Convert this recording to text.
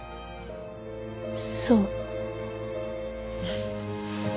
そう。